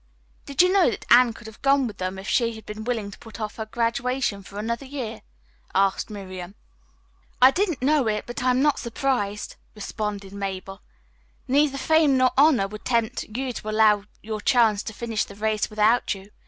"Did you know that Anne could have gone with them if she had been willing to put off her graduation for another year?" asked Miriam. "I didn't know it, but I'm not surprised," responded Mabel. "Neither fame nor honor would tempt you to allow your chums to finish the race without you.